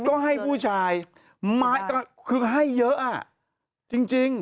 ก็ให้ผู้ชายมาก็คือให้เยอะอ่ะจริง